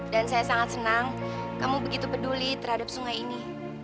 dan saya sangat senang kamu begitu peduli terhadap sungai ini